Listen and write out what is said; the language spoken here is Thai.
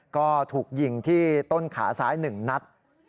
ก็ถูกยิงที่ต้นขาซ้าย๑นัด